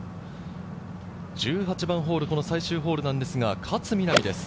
１８番ホール、最終ホールなんですが、勝みなみです。